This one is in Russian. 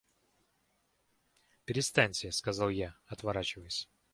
— Перестаньте, — сказал я, отворачиваясь.